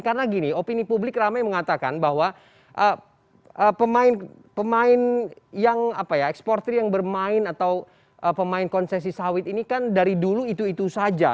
karena gini opini publik ramai mengatakan bahwa pemain yang apa ya eksportir yang bermain atau pemain konsesi sawit ini kan dari dulu itu itu saja